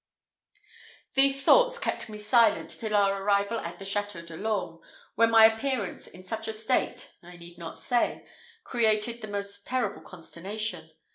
These thoughts kept me silent till our arrival at the Château de l'Orme, where my appearance in such a state, I need not say, created the most terrible consternation.